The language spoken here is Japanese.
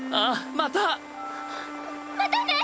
ままたね。